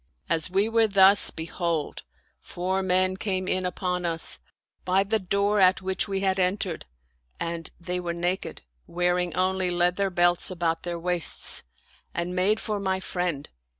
As we were thus, behold, four men came in upon us, by the door at which we had entered, and they were naked, wearing only leather belts about their waists, and made for my friend.